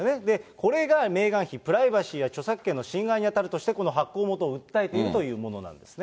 これがメーガン妃、プライバシーや著作権の侵害に当たるとしてこの発行元を訴えているというものなんですよね。